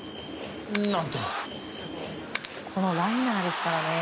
ライナーですからね。